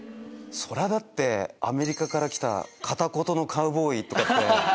だってアメリカから来た片言のカウボーイって。